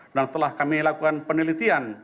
dan setelah kami lakukan penelitian